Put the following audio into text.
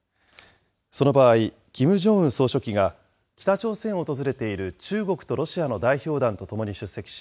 その場合、キム・ジョンウン総書記が、北朝鮮を訪れている中国とロシアの代表団とともに出席し、